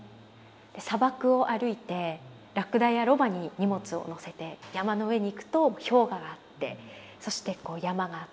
砂漠を歩いてラクダやロバに荷物を載せて山の上に行くと氷河があってそしてこう山があって。